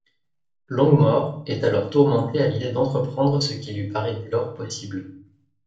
Longmore est alors tourmenté à l’idée d’entreprendre ce qui lui paraît dès lors possible.